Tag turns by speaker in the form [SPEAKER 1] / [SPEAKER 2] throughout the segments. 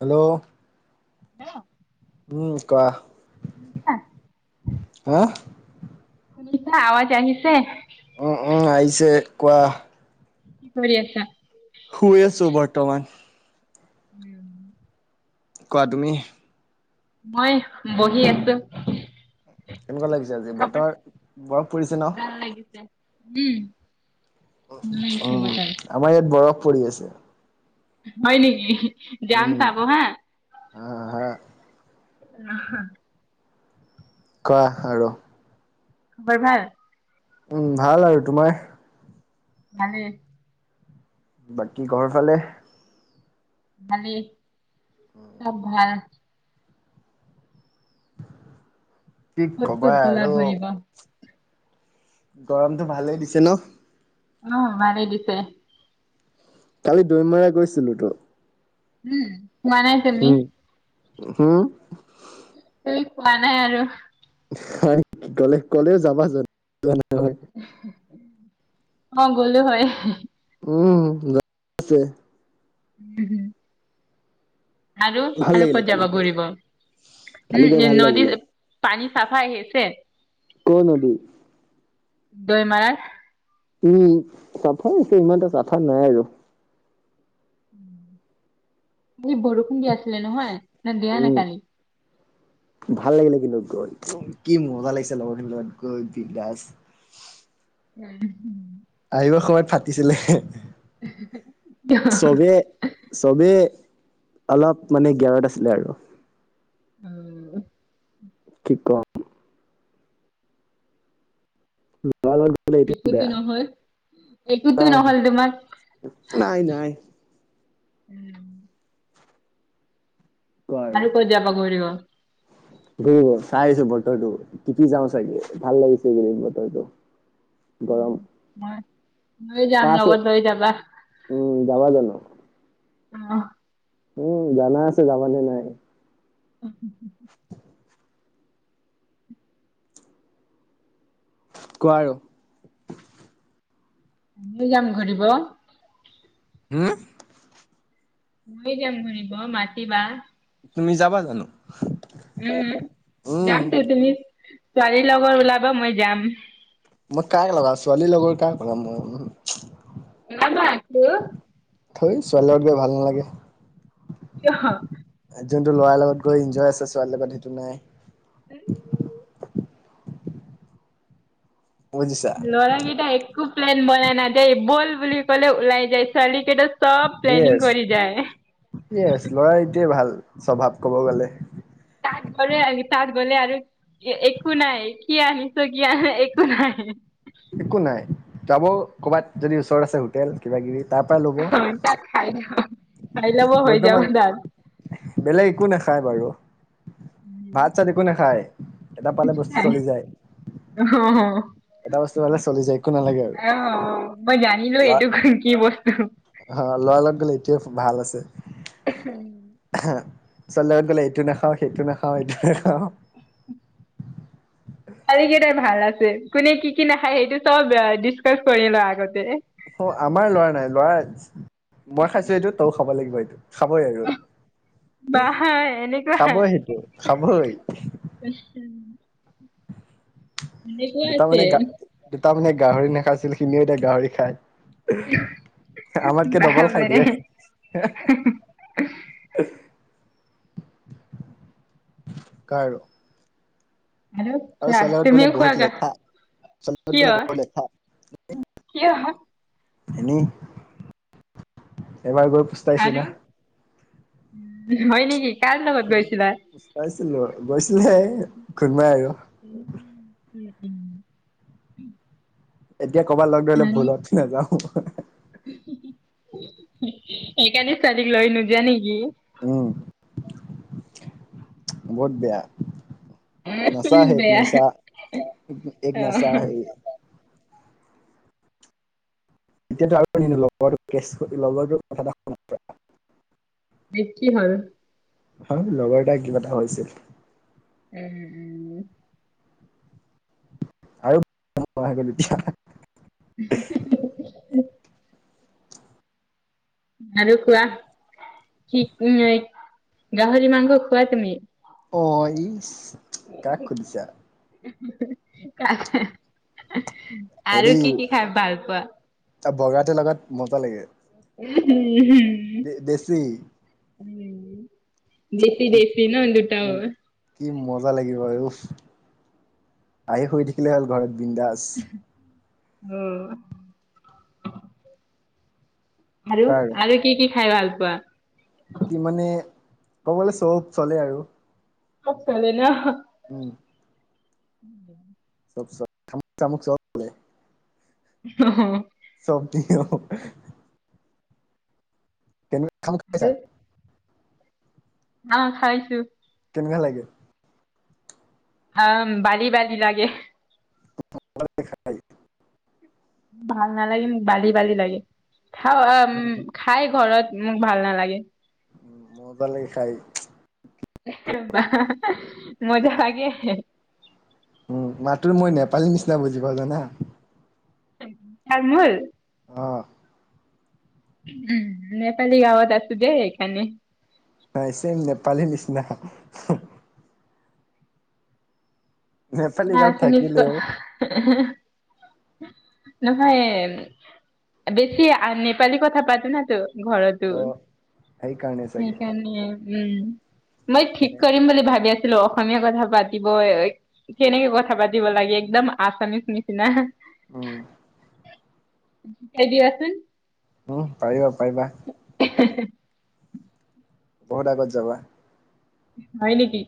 [SPEAKER 1] Hello
[SPEAKER 2] hello
[SPEAKER 1] উম' কোৱা। হাঁ'
[SPEAKER 2] শুনিছা, আৱাজ আহিছে।
[SPEAKER 1] উম উম' আহিছে কোৱা।
[SPEAKER 2] কি কৰি আছা?
[SPEAKER 1] শুই আছো, বৰতমান।
[SPEAKER 2] উম'
[SPEAKER 1] কোৱা তুমি?
[SPEAKER 2] মই বহি আছো।
[SPEAKER 1] কেনেকুৱা লাগিছে আজি
[SPEAKER 2] খবৰ
[SPEAKER 1] বতৰ বৰফ পৰিছে ন।
[SPEAKER 2] ভাল লাগিছে। উম' ভাল লাগিছে
[SPEAKER 1] উম'
[SPEAKER 2] বতৰ।
[SPEAKER 1] আমাৰ ইয়াত বৰফ পৰি আছে।
[SPEAKER 2] হয় নেকি? যাম চাব হাঁ।
[SPEAKER 1] অঁ' হাঁ।
[SPEAKER 2] নাহা-
[SPEAKER 1] কোৱা আৰু।
[SPEAKER 2] খবৰ ভাল?
[SPEAKER 1] উম' ভাল আৰু তোমাৰ?
[SPEAKER 2] ভালেই।
[SPEAKER 1] বাকী ঘৰ ফালে-
[SPEAKER 2] ভালেই, চব ভাল।
[SPEAKER 1] কি
[SPEAKER 2] ক'ত
[SPEAKER 1] কবা
[SPEAKER 2] ক'ত গ'লা
[SPEAKER 1] আৰু।
[SPEAKER 2] ঘূৰিব?
[SPEAKER 1] গৰমটো ভালেই দিছে ন?
[SPEAKER 2] অঁ' ভালে দিছে।
[SPEAKER 1] কালি দৈমৰা গৈছিলো তো।
[SPEAKER 2] উম যোৱা নাই তুমি
[SPEAKER 1] উম হম
[SPEAKER 2] সেই পোৱা নাই আৰু
[SPEAKER 1] হয় কি ক'লে ক'লেও যাবা জানো যোৱাই নাই
[SPEAKER 2] অ গ'লো হয়।
[SPEAKER 1] উম য আছে
[SPEAKER 2] [inaudible] আৰু
[SPEAKER 1] ভাল
[SPEAKER 2] আৰু
[SPEAKER 1] লাগিলে
[SPEAKER 2] ক'ত
[SPEAKER 1] কালি
[SPEAKER 2] যাব
[SPEAKER 1] গৈ
[SPEAKER 2] ঘূৰিব
[SPEAKER 1] কালি গৈ
[SPEAKER 2] উম এই
[SPEAKER 1] ভাল লাগিলে
[SPEAKER 2] নদীৰ পানী চাফা আহি‌‌ আছে।
[SPEAKER 1] কৰ নদী
[SPEAKER 2] দৈমাৰত
[SPEAKER 1] উম চাফাই আছে ইমান এটা চাফা নাই আৰু
[SPEAKER 2] এই বৰষুণ দি আছিলে নহয় নে দিয়া নে
[SPEAKER 1] উম।
[SPEAKER 2] কালি
[SPEAKER 1] ভাল লাগিলে কিন্তু গৈ একদম কি মজা লাগিছে লগৰ খিনিৰ লগত গৈ বিনদাস
[SPEAKER 2] উম।
[SPEAKER 1] আহিবৰ সময়ত ফাটিছিলে চবেই চবেই অলপ মানে গিয়াৰত আছিলে আৰু
[SPEAKER 2] [inaudible]
[SPEAKER 1] কি কম? নোৱাৰা হৈ গলো।
[SPEAKER 2] একোটো নহ'ল। একোটো
[SPEAKER 1] নাই
[SPEAKER 2] নহ'ল তোমাক
[SPEAKER 1] নাই নাই কোৱা
[SPEAKER 2] আৰু ক'ত যাবা গৈ দিব
[SPEAKER 1] উ চাই আছো বতৰটো তিতি যাও চাগে ভাল লাগিছে এই বতৰটো। গৰম।
[SPEAKER 2] মই লৈ যাম
[SPEAKER 1] এটা আছে
[SPEAKER 2] লগত লৈ যাবা
[SPEAKER 1] উম যাবা জানো?
[SPEAKER 2] অ,
[SPEAKER 1] উম জানা আছে যাবা নে নাই
[SPEAKER 2] [inaudible]
[SPEAKER 1] [inaudible] কোৱা আৰু
[SPEAKER 2] ঘৰলে যাম ঘূৰিব।
[SPEAKER 1] উম
[SPEAKER 2] মইয়ো যাম ঘূৰিব মাতিবা
[SPEAKER 1] তুমি যাবা জানো।
[SPEAKER 2] উম
[SPEAKER 1] উম
[SPEAKER 2] যামতো তুমি ছোৱালী লগৰ ওলাবা মই যাম।
[SPEAKER 1] মই কাক লগাম ছোৱালী লগৰ কাক লগাম মই
[SPEAKER 2] ইমানবোৰ আছো।
[SPEAKER 1] থেই ছোৱালীৰ লগত গৈ ভাল নালাগে।
[SPEAKER 2] কিয়?
[SPEAKER 1] যোনটো ল'ৰাৰ লগত গৈ ইনজয় আছে ছোৱালীৰ লগত সেইটো নাই।
[SPEAKER 2] [inaudible]
[SPEAKER 1] বুজিছা
[SPEAKER 2] ল'ৰা কেইটা একো প্লেন বনাই নাযায় বল বুলি ক'লে ওলাই যায় ছোৱালী কেইটা চব প্লেনিং কৰি যায়।
[SPEAKER 1] ইয়েচ, ল'ৰাৰ এইটোৱে ভাল স্বভাৱ ক'ব গলে!
[SPEAKER 2] তাত গ'লে আৰু তাত গলে আৰু একো নাই, কি আহিছোঁ কি আ একো নাই।
[SPEAKER 1] একো নাই, যাব ক'ৰবাত যদি ওচৰত আছে হোটেল কিবা কিবি তাৰ পৰাই ল'ব।
[SPEAKER 2] খাই লব হৈ যাব
[SPEAKER 1] বৰ্তমান
[SPEAKER 2] তাত।
[SPEAKER 1] বেলেগ একো নাখায় বাৰু, ভাত চাত একো নাখায়। এটা পালে বস্তু চলি যায়।
[SPEAKER 2] অহঁ অঁ।
[SPEAKER 1] এটা বস্তু পালে চলি যায় একো নালাগে আৰু
[SPEAKER 2] অঁ, মই জানিলোঁ এইটো কি বস্তু।
[SPEAKER 1] অঁ, ল'ৰা লগত গ'লে এইটোৱে ভাল আছে। ছোৱালী লগত গ'লে এইটো নাখাওঁ, সেইটো নাখাওঁ এইটো নেখাওঁ।
[SPEAKER 2] ছোৱালী কেইটাই ভাল আছে, কোনে কি কি নাখায় সেইটো চব ডিচকাচ কৰি লয় আগতে।
[SPEAKER 1] অ, আমাৰ লৰা নাই, লৰা মই খাইছোঁ এইটো তও খাব লাগিব এইটো, খাবই আৰু।
[SPEAKER 2] বা এনেকুৱা
[SPEAKER 1] খাবই সেইটো খাবই।
[SPEAKER 2] [unintelligible] এনেকুৱা
[SPEAKER 1] দুটামানে গা
[SPEAKER 2] আছে
[SPEAKER 1] দুটামানে গাহৰি নাখাইছিল, সিও এতিয়া গাহৰি খায়। আমাতকে ডবল খাই
[SPEAKER 2] বাপৰে
[SPEAKER 1] দিয়ে। [unintelligible] [inaudible] আৰু
[SPEAKER 2] চোৱা
[SPEAKER 1] ছোৱালী লগত গ'লে
[SPEAKER 2] তুমিও
[SPEAKER 1] বহুত
[SPEAKER 2] খোৱাগা
[SPEAKER 1] লেঠা। ছোৱালী লগত
[SPEAKER 2] কিয়
[SPEAKER 1] গ'লে বহুত লেঠা।
[SPEAKER 2] কিয়
[SPEAKER 1] এনেই এবাৰ গৈ পস্তাইছো
[SPEAKER 2] আৰু
[SPEAKER 1] না
[SPEAKER 2] হয় নেকি, কাৰ লগত গৈছিলা?
[SPEAKER 1] চাইছিলো গৈছিলেহে ঘবাই আৰু।
[SPEAKER 2] উ, উম।
[SPEAKER 1] এতিয়া ক'ৰবাত লগ ধৰিলে
[SPEAKER 2] আৰু
[SPEAKER 1] ভুলতো নাযাওঁ।
[SPEAKER 2] সেইকাৰণে ছোৱালীক লৈ নোযাৱা নেকি?
[SPEAKER 1] উম, বহুত বেয়া। নশা
[SPEAKER 2] উম,
[SPEAKER 1] হ্যে এক
[SPEAKER 2] বেয়া
[SPEAKER 1] নশা, এক
[SPEAKER 2] অ
[SPEAKER 1] নশা হ্যে য়ে। [unintelligible]
[SPEAKER 2] কি হ'ল?
[SPEAKER 1] হয়, লগৰ এটাৰ কিবা এটা হৈছিল।
[SPEAKER 2] উম।
[SPEAKER 1] [inaudible]
[SPEAKER 2] [inaudible] আৰু কোৰা, কি উম, গাহৰি মাংস খোৱা তুমি?
[SPEAKER 1] অঁ, ইচ কাক সুধিছা?
[SPEAKER 2] [inaudible]
[SPEAKER 1] হেৰি
[SPEAKER 2] কি কি খাই ভাল পোৱা
[SPEAKER 1] তাত বগাতেওঁ লগত মজা লাগে।
[SPEAKER 2] [inaudible]
[SPEAKER 1] দে দেশী।
[SPEAKER 2] দেশী,
[SPEAKER 1] কি
[SPEAKER 2] দেশী ন দুটাও।
[SPEAKER 1] উম কি মজা লাগিব উফ, আহি শুই থাকিলে হ'ল ঘৰত বিন্দাচ।
[SPEAKER 2] উম। আৰু, আৰু কি কি খাই ভাল পোৱা?
[SPEAKER 1] কি মানে ক'বলে চব চলে আৰু।
[SPEAKER 2] চব চলে ন?
[SPEAKER 1] উম।
[SPEAKER 2] [inaudible]
[SPEAKER 1] চব চ, শামুক-চামুক চব। চলে
[SPEAKER 2] অহ।
[SPEAKER 1] সব ঠিক-অ। তেনোমছ [unintelligible]
[SPEAKER 2] অঁ' খাইছো।
[SPEAKER 1] কেনেকুৱা লাগে?
[SPEAKER 2] অঁ' বালি-বালি লাগে।
[SPEAKER 1] দেখাই [unintelligible]
[SPEAKER 2] ভাল নালাগে, বালি-বালি লাগে। খাওঁ উম। খাই ঘৰত মোক ভাল নালাগে।
[SPEAKER 1] পালী খাই।
[SPEAKER 2] মজা লাগে।
[SPEAKER 1] উমঁ, তোৰ মই নেপালী নিচিনা বুজি পাওঁ জানা।
[SPEAKER 2] তামোল [unintelligible]
[SPEAKER 1] অঁ।
[SPEAKER 2] উম' নেপালী গাঁৱত আছো যে সেইকাৰণে।
[SPEAKER 1] হয়, ছেইম নেপালী নিচিনা। নেপালী
[SPEAKER 2] ন
[SPEAKER 1] গাঁৱত
[SPEAKER 2] চুনিছ
[SPEAKER 1] থাকিলেও
[SPEAKER 2] [unintelligible] নহয় এই বেছি নেপালী কথা পাতো না তো। ঘৰটো
[SPEAKER 1] অ সেইকাৰণে চাগে
[SPEAKER 2] সেইকাৰণে উম। মই ঠিক
[SPEAKER 1] কেনে
[SPEAKER 2] কৰিম বুলি ভাবি আছিলো অসমীয়া কথা পাতিবই- কেনেকে কথা পাতিব লাগে একদম আছামিচ নিচিনা।
[SPEAKER 1] উম
[SPEAKER 2] সিকাই দিবাচোন।
[SPEAKER 1] উমঁ' পাৰিবা-পাৰিবা।
[SPEAKER 2] এই হে।
[SPEAKER 1] বহুত আগত যাবা।
[SPEAKER 2] হয় নেকি।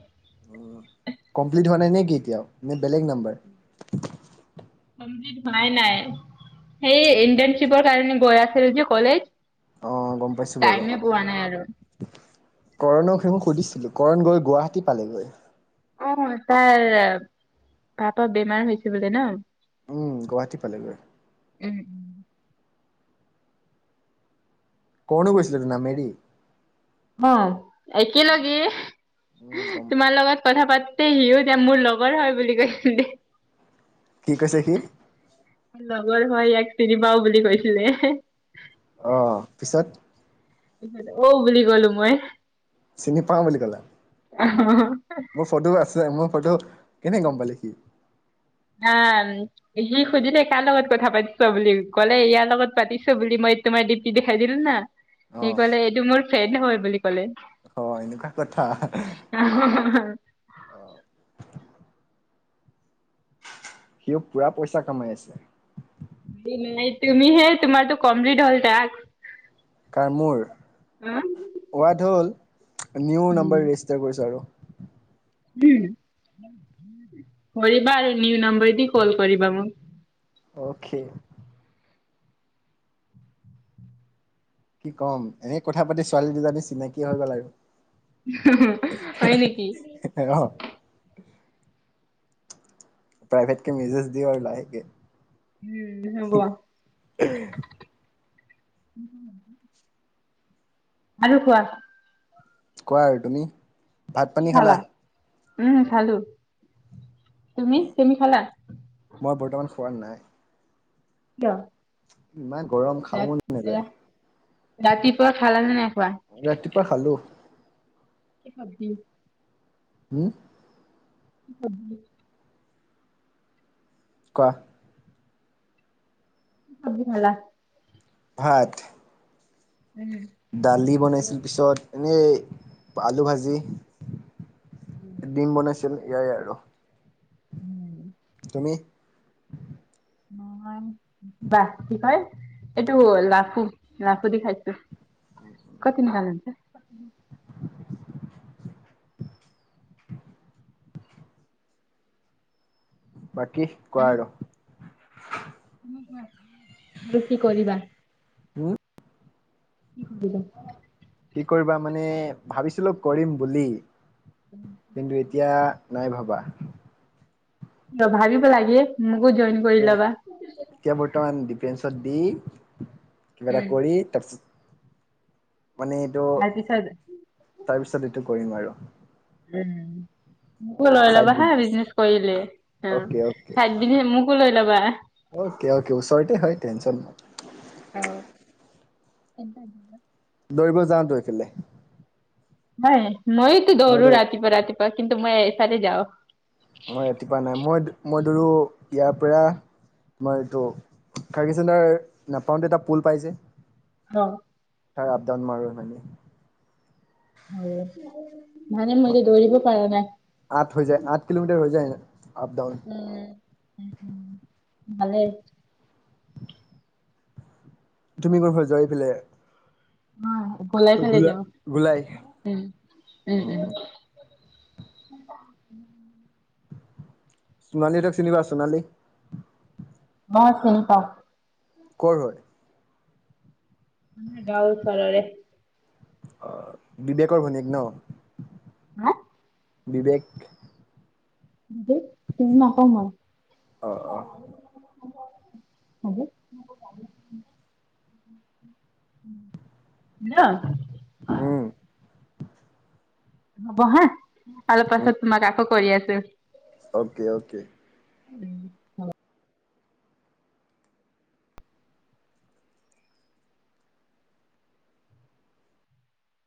[SPEAKER 1] কমপ্লিট হোৱা নাই নে কি এতিয়াও নে বেলেগ নাম্বাৰ?
[SPEAKER 2] কমপ্লিট হোৱাই নাই, সেই ইণ্টাৰণশ্বিপৰ কাৰণে গৈ আছিল যে কলেজ।
[SPEAKER 1] অ' গম পাইছো বাৰু।
[SPEAKER 2] টাইমে পোৱা নাই আৰু
[SPEAKER 1] কৰণক সেই মই সুধিছিলো, কৰণ গৈ গুৱাহাটী পালেগৈ।
[SPEAKER 2] অঁ' তাৰ হাত'ত বেমাৰ হৈছে বোলে ন'।
[SPEAKER 1] গুৱাহাটী পালেগৈ।
[SPEAKER 2] উমঁ।
[SPEAKER 1] ক'ত নো কৈছিলে নামেৰি।
[SPEAKER 2] অঁ', একে লগে।
[SPEAKER 1] উম গম
[SPEAKER 2] তোমাৰ লগত কথা পাটোতেই সিও এতিয়া মোৰ লগৰ হয় বুলি কৈছিল।
[SPEAKER 1] কি কৈছে সি?
[SPEAKER 2] লগৰ হয় ইয়াক চিনি পাওঁ বুলি কৈছিলে।
[SPEAKER 1] অঁ', পিছত?
[SPEAKER 2] অহ' বুলি ক'লো মই।
[SPEAKER 1] চিনি পাওঁ বুলি কলা?
[SPEAKER 2] অঁহ।
[SPEAKER 1] মোৰ ফটোও আছে মোৰ ফটো কেনে গম পালে সি?
[SPEAKER 2] আ সি সুধিলে কাৰ লগত কথা পাতিছ বুলি কলে ইয়াৰ লগত পাতিছ বুলি মই তোমাৰ ডিপি দেখাই দিলো না।
[SPEAKER 1] অ
[SPEAKER 2] সি কলে এইটো মোৰ ফ্ৰেড হয় বুলি কলে।
[SPEAKER 1] অ এনেকুৱা কথা।
[SPEAKER 2] [inaudible]
[SPEAKER 1] সিও পুৰা পইচা কামাই আছে।
[SPEAKER 2] তুমিহে তোমাৰ তো কমপ্লিট হ'ল টাস্ক।
[SPEAKER 1] কাৰ মোৰ
[SPEAKER 2] উম
[SPEAKER 1] হোৱাটো হ'ল নিউ নাম্বৰ ৰেজিষ্টাৰ কৰিছোঁ আৰু।
[SPEAKER 2] উম কৰিবা আৰু নিউ নম্বৰ দি কল কৰিবা মোক।
[SPEAKER 1] অ'কে। কি ক'ম এনেই কথা পাতি ছোৱালী দুজনী চিনাকি হৈ গ'ল আৰু।
[SPEAKER 2] হয় নেকি?
[SPEAKER 1] অ। প্ৰাইভেট কে মেছেজ দিও আৰু লাহেকে।
[SPEAKER 2] উম হব। আৰু কোৱা।
[SPEAKER 1] কোৱা আৰু তুমি। ভাত
[SPEAKER 2] কি
[SPEAKER 1] পানী
[SPEAKER 2] খালা? উম খালো। তুমি তুমি খালা?
[SPEAKER 1] মই বৰ্তমান খোৱা নাই।
[SPEAKER 2] কিয়?
[SPEAKER 1] ইমান গৰম। খাব
[SPEAKER 2] ৰা
[SPEAKER 1] মন নাযায়
[SPEAKER 2] ৰাতিপুৱা খালা নে নাইখোৱা?
[SPEAKER 1] ৰাতিপুৱা খালো।
[SPEAKER 2] কি চবজি?
[SPEAKER 1] হোম?
[SPEAKER 2] কি চবজি?
[SPEAKER 1] কোৱা
[SPEAKER 2] কি চবজি খালা?
[SPEAKER 1] ভাত।
[SPEAKER 2] উম।
[SPEAKER 1] দালি বনাইছিল পিছত এনেই আলু ভাজি। দিম বনাইছিল ইয়াৰে আৰু।
[SPEAKER 2] উম।
[SPEAKER 1] তুমি?
[SPEAKER 2] মই বা কি কয়। এইটো লাফু লাফু দি খাইছো [unintelligible]
[SPEAKER 1] বাকী কোৱা আৰু।
[SPEAKER 2] তুমিয়ে কোৱা আৰু কি কৰিবা?
[SPEAKER 1] হোম
[SPEAKER 2] কি কৰিবা?
[SPEAKER 1] কি কৰিবা মানে ভাবিছিলো কৰিম বুলি। কিন্তু এতিয়া নাই ভাবা।
[SPEAKER 2] কিয় ভাবিব লাগে মোকো জইন
[SPEAKER 1] মানে
[SPEAKER 2] কৰি লবা।
[SPEAKER 1] এতিয়া বৰ্তমান ডিফেন্সত দি কিবা এটা
[SPEAKER 2] উম।
[SPEAKER 1] কৰি তাৰপিছত মানে এইটো
[SPEAKER 2] তাৰপিছত
[SPEAKER 1] তাৰপিছত এইটো কৰিম আৰু।
[SPEAKER 2] উম, মোকো লৈ
[SPEAKER 1] চাইড
[SPEAKER 2] ল'বা হা,
[SPEAKER 1] বিজনেছ
[SPEAKER 2] বিজনেচ কৰিলে অ,
[SPEAKER 1] অকে অকে
[SPEAKER 2] খাই বিনে মোকো লৈ ল'বা।
[SPEAKER 1] অকে, অকে, ওচৰতেই হয় টেনচন নাই।
[SPEAKER 2] অ, [inaudible]
[SPEAKER 1] দৌৰিব যাওঁতো, এইফালে।
[SPEAKER 2] নাই মইতো
[SPEAKER 1] মই
[SPEAKER 2] দৌৰো
[SPEAKER 1] দৌ
[SPEAKER 2] ৰাতিপুৱা-ৰাতিপুৱা কিন্তু মই এইফালে যাওঁ।
[SPEAKER 1] মই ৰাতিপুৱা নাই, মই, মই দৰো ইয়াৰ পৰা তোমাৰ এইটো, কাৰাৰ্গি চন্দাৰ নাপাওঁতে এটা পুল পাই যে।
[SPEAKER 2] অ,
[SPEAKER 1] আপডাউন মাৰো, এইফালে দি।
[SPEAKER 2] অ, মানে মই যে, দৌৰিব পৰা নাই।
[SPEAKER 1] আঠ হৈ যায়, আঠ কিলোমিটাৰ হৈ যায় ন, আপ-ডাউন।
[SPEAKER 2] উম, ভালে।
[SPEAKER 1] তুমি ক'ৰ ফালে, যোৱা এইফালে
[SPEAKER 2] অ, ভোলাই ফালে,
[SPEAKER 1] ঘোলা
[SPEAKER 2] যাওঁ
[SPEAKER 1] ঘোলাই
[SPEAKER 2] উম, উম, [inaudible]
[SPEAKER 1] চোনালী হঁতক, চিনি পোৱা চোনালীক?
[SPEAKER 2] মই চিনি পাওঁ।
[SPEAKER 1] ক'ৰ হয়?
[SPEAKER 2] আমাৰ গাওঁৰ, ওচৰৰে
[SPEAKER 1] অ, বিবেকৰ ভনীয়েক ন?
[SPEAKER 2] হা,
[SPEAKER 1] বিবেক
[SPEAKER 2] বিবেক চিনি নাপাওঁ মই।
[SPEAKER 1] অ অ
[SPEAKER 2] [unintelligible] [inaudible]
[SPEAKER 1] উম,
[SPEAKER 2] হ'ব, হা অলপ
[SPEAKER 1] উম
[SPEAKER 2] পাছত তোমাক আকৌ কৰি আছোঁ।
[SPEAKER 1] Okay, okay,